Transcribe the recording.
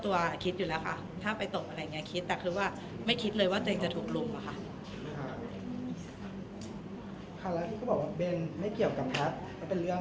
เขามีเรื่องกับน้ำแต่ทำไมต้องไปเอาเรื่องผู้ชายขึ้นเรื่องผู้ชายขึ้นมาเป็นประเด็นทำให้เขาเสียชื่อเสียง